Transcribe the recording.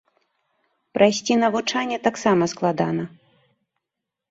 Прайсці навучанне таксама складана.